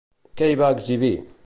Què hi va exhibir?